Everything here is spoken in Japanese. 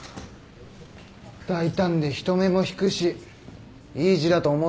大胆で人目も引くしいい字だと思うぞ。